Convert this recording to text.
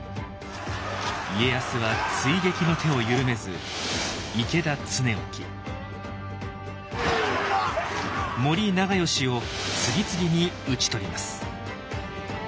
家康は追撃の手を緩めず池田恒興森長可を次々に討ち取ります。